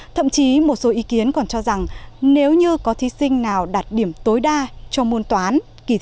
thậm chí một số ý kiến còn cho rằng nếu như có thí sinh nào đạt điểm tối đa cho môn toán